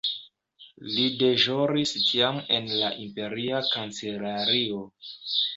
Li deĵoris tiam en la imperia kancelario.